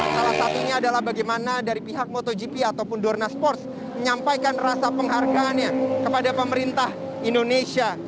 salah satunya adalah bagaimana dari pihak motogp ataupun dorna sports menyampaikan rasa penghargaannya kepada pemerintah indonesia